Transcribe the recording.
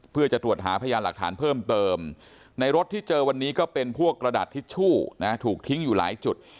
เพื่อจะตรวจหาพยานหลักฐานเพิ่มเติมในรถที่เจอวันนี้ก็เป็นพวกกระดาษทิชชู่นะถูกทิ้งอยู่หลายจุด